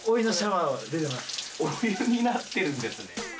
お湯になってるんですね。